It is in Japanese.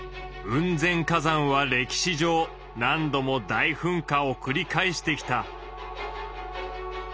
雲仙火山は歴史上何度も大噴火をくり返してきた。